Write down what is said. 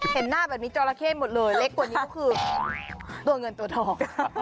เห็นหน้าแบบนี้จราเข้หมดเลยเล็กกว่านี้ก็คือตัวเงินตัวทอง